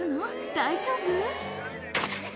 大丈夫？